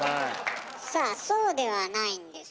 さあそうではないんですよ。